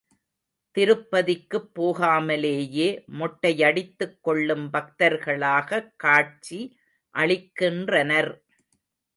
திருப்பதிக்குப் போகாமலேயே மொட்டையடித்துக் கொள்ளும் பக்தர்களாகக் காட்சி அளிக்கின்றனர்.